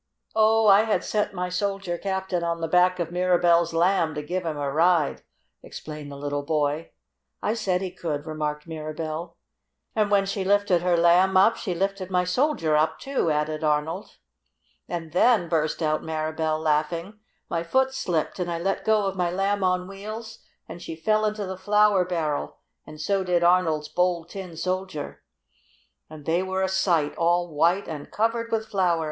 "Oh, I had set my Soldier Captain on the back of Mirabell's Lamb to give him a ride," explained the little boy. "I said he could," remarked Mirabell. "And when she lifted her Lamb up she lifted my Soldier up, too," added Arnold. "And then!" burst out Mirabell, laughing, "my foot slipped and I let go of my Lamb on Wheels, and she fell into the flour barrel, and so did Arnold's Bold Tin Soldier." "And they were a sight, all white and covered with flour!"